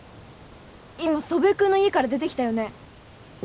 今祖父江君の家から出てきたよね？